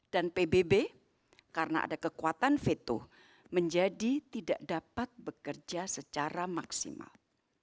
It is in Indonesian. dan pbb karena ada kekuatan veto menjadi tidak dapat bekerja secara maksimal